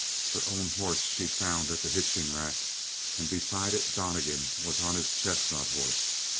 Her own horse she found at the hitching rack, and beside it Donnegan was on his chestnut horse.